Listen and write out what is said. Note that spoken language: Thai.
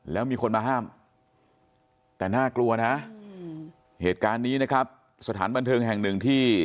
แล้วมีคนมาห้ามแต่น่ากลัวนะเหตุการณ์นี้นะครับสถานบันเทิงแห่งหนึ่งที่